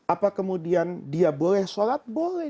apa kemudian dia boleh sholat boleh